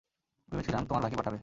ভেবেছিলাম তোমার ভাইকে পাঠাবে।